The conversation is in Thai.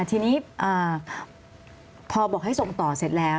ทีนี้พอบอกให้ส่งต่อเสร็จแล้ว